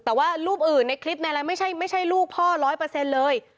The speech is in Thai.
และรูปอื่นในคลิปแน่นลัยไม่ใช่ลูกพ่อ๑๐๐เลย